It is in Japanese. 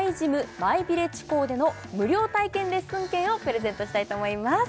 マイビレッジ校での無料体験レッスン券をプレゼントしたいと思います